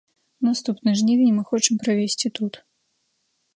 Наступны жнівень мы хочам правесці тут.